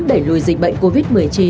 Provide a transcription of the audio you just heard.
để lùi dịch bệnh covid một mươi chín